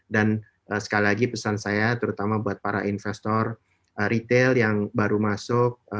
dan sekali lagi pesan saya terutama buat para investor retail yang baru masuk